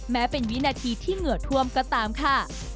แม้เป็นวินาทีที่เหงื่อท่วมก็ตามค่ะ